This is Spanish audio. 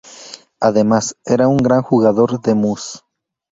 Además, era un gran jugador de mus.